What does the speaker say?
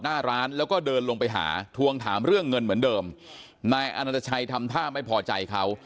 หน้าร้านแล้วก็เดินลงไปหาทวงถามเรื่องเงินเหมือนเดิมนายอนัตชัยทำท่าไม่พอใจเขา